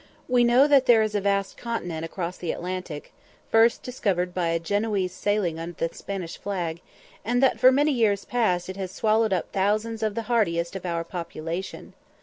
We know that there is a vast continent across the Atlantic, first discovered by a Genoese sailing under the Spanish flag, and that for many years past it has swallowed up thousands of the hardiest of our population.